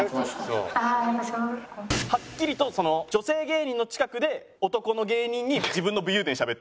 はっきりと女性芸人の近くで男の芸人に。